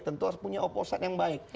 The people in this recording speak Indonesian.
tentu harus punya oposan yang baik